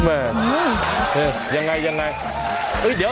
โอ้ยอย่างไงอย่างไง